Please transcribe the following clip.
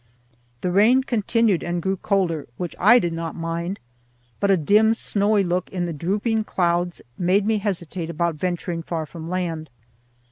The rain continued, and grew colder, which I did not mind, but a dim snowy look in the drooping clouds made me hesitate about venturing far from land.